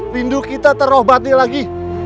bindu kita terobati lagi